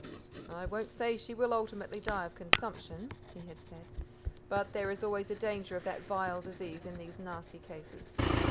"I won't say she will ultimately die of consumption," he had said, "but there is always a danger of that vile disease in these nasty cases.